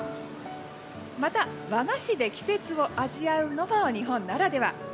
また、和菓子で季節を味わうのも日本ならでは。